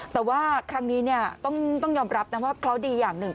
แต่ว่าครั้งนี้ต้องยอมรับนะว่าเคราะห์ดีอย่างหนึ่ง